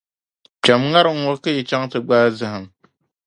Kpɛm ŋarim ŋɔ ka yi chaŋ ti gbaai zahim.